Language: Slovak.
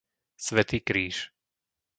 Svätý Kríž